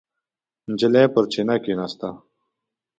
نجلۍ پر چینه کېناسته.